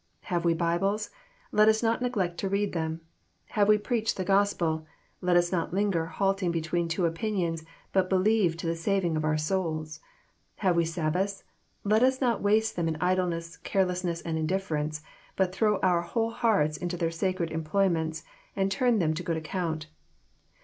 Have we Bibles? Let us not neglect to read them. — Have we the preached Gospel? Let us not linger halting between two opinions, but believe to the saving of our souls. — ^Have we Sabbaths? Let us not waste them in idleness, carelessness, and indifference, but throw our whole hearts into their sacred employments, and turn them to good account.